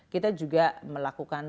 kita juga melakukan